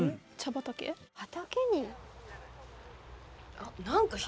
畑に？